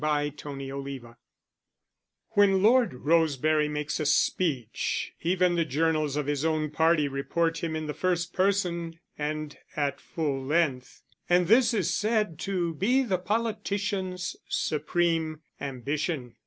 Chapter XXVI When Lord Roseberry makes a speech, even the journals of his own party report him in the first person and at full length; and this is said to be the politician's supreme ambition.